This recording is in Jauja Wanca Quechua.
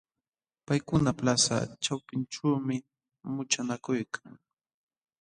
Paykuna plaza ćhawpinćhuumi muchanakuykan.